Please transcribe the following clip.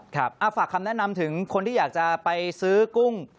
ฝากคำแนะนำถึงคนที่อยากจะไปซื้อกุ้ง